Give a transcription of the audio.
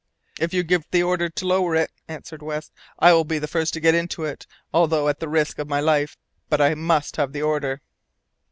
"If you give the order to lower it," answered West, "I will be the first to get into it, although at the risk of my life. But I must have the order."